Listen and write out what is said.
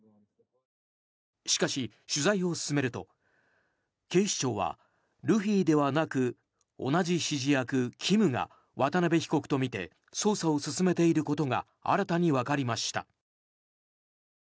しかし、取材を進めると警視庁はルフィではなく同じ指示役キムが渡邉被告とみて捜査を進めていることが新たに分かりました。